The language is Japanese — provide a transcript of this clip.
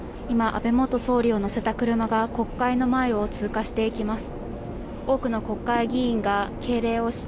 安倍元総理を乗せた車が国会の前を通過していきます。